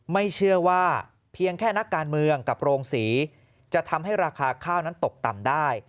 ไม่เชื่อว่าเพียงแค่นักการเมืองกับโรงศรีจะทำให้ราคาข้าวนั้นตกต่ำได้